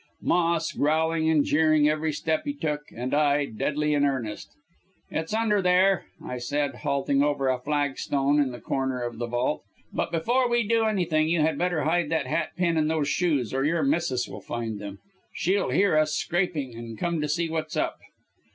Moss growling and jeering every step he took, and I, deadly in earnest. "'It's under here,' I said, halting over a flagstone in the corner of the vault. 'But before we do anything you had better hide that hat pin and these shoes, or your missis will find them. She'll hear us scraping and come to see what's up.'